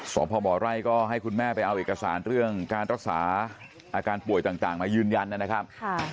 สมพะบ่รัยให้คุณแม่ไปเอาเอกสารการรักษาอาการป่วยจากมายืนยันนะครับ